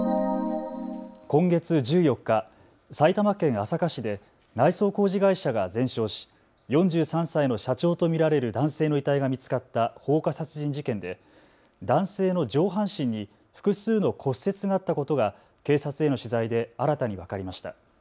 今月１４日、埼玉県朝霞市で内装工事会社が全焼し４３歳の社長と見られる男性の遺体が見つかった放火殺人事件で男性の上半身に複数の骨折があったことが警察への取材で新たに分かりました。